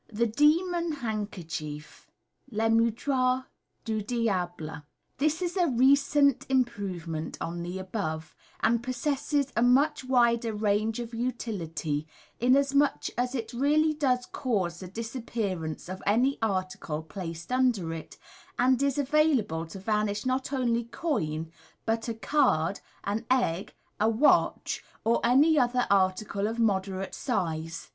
The Demon Handkerchief (Le Mouchoir du Diable). — This t9 a recent improvement on the above, and possesses a much widei range of utility, inasmuch as it really does cause the disappearance of any article placed under it, and is available to vanish not only coin, but a card, an eggt a watch, or any other article of moderate size.